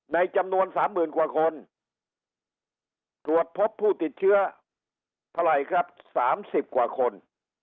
ในจำนวน๓๐๐๐กว่าคนตรวจพบผู้ติดเชื้อเท่าไหร่ครับ๓๐กว่าคน